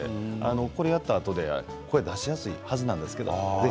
これをやったあとで声が出しやすいはずなんですよ。